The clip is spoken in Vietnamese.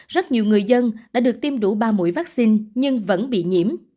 rất nhiều người dân đã được tiêm đủ ba mũi vaccine nhưng vẫn bị nhiễm